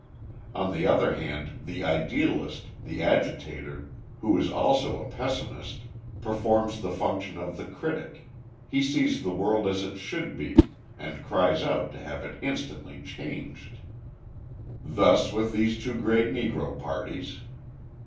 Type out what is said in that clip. On the other hand, the idealist, the agitator, who is also a pessimist, performs the function of the critic, he sees the world as it should be and cries out to have it instantly changed. Thus with these two great Negro parties.